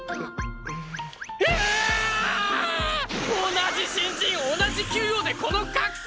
同じ新人同じ給与でこの格差！